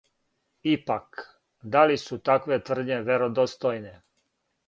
Ипак, да ли су такве тврдње веродостојне?